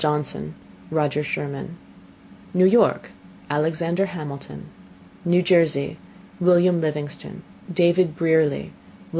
Johnson Roger Sherman New York Alexander Hamilton New Jersey Wil: Livingston David Brearley Wm.